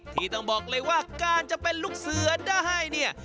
ที่ต้องบอกเลยว่าการจะเป็นลูกเสือได้เนี่ย